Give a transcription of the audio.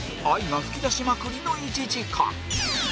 愛が噴き出しまくりの１時間